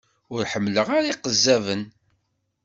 Ur ḥemmleɣ ara iqezzaben.